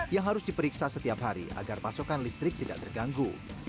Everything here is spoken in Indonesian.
yang harus diperiksa setiap hari agar pasokan listrik tidak terganggu